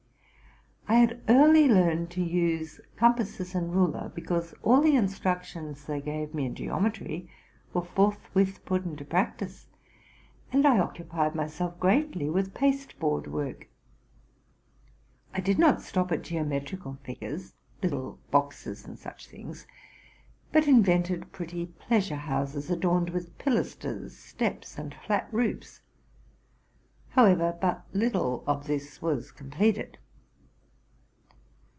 I had early learned to use compasses and ruler, because all the instructions they gave me in geometry were forthwith put into practice ; and I occupied myself greatly with paste board work. I did not stop at geometrical figures, little boxes, and such things, but invented pretty pleasure houses adorned with pilasters, steps, and flat roofs. However, but little of this was completed.